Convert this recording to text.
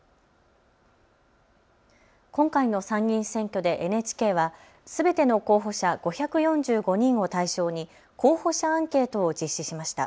今回の参議院選挙でＮＨＫはすべての候補者５４５人を対象に候補者アンケートを実施しました。